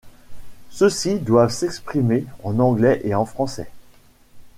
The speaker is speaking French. Ceux-ci doivent s'exprimer en anglais et en français.